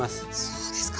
そうですか。